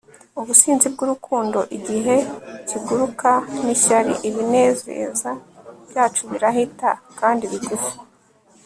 ubusinzi bwurukundo igihe kiguruka nishyari, ibinezeza byacu birahita kandi bigufi